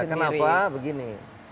iya kenapa begini